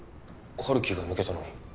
陽樹が抜けたのに？